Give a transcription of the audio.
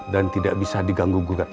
dan tidak bisa diganggu ganggu